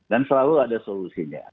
dan selalu ada solusinya